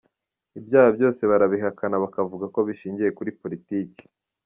Ibyaha byose barabihakana bakavuga ko bishingiye kuri politiki